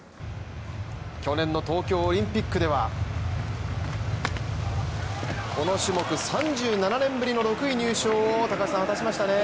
去年の東京オリンピックではこの種目３７年ぶりの６位入賞を果たしましたね。